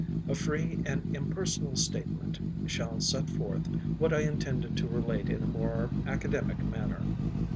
A free and impersonal statement shall set forth what I intended to relate in a more academic manner.